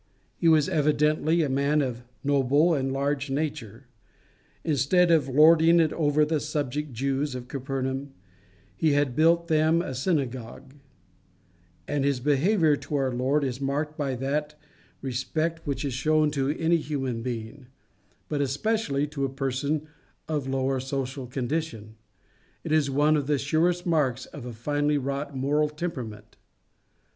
He was evidently a man of noble and large nature. Instead of lording it over the subject Jews of Capernaum, he had built them a synagogue; and his behaviour to our Lord is marked by that respect which, shown to any human being, but especially to a person of lower social condition, is one of the surest marks of a finely wrought moral temperament.